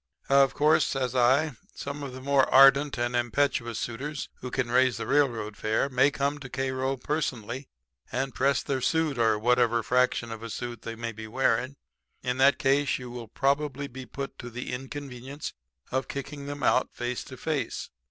"'Of course,' says I, 'some of the more ardent and impetuous suitors who can raise the railroad fare may come to Cairo to personally press their suit or whatever fraction of a suit they may be wearing. In that case you will be probably put to the inconvenience of kicking them out face to face.